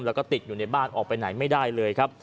แล้วก็ติดอยู่ในบ้านออกไปไหนไม่ได้เลยครับ